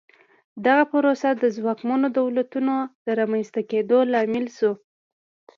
دغه پروسه د ځواکمنو دولتونو د رامنځته کېدو لامل شوه.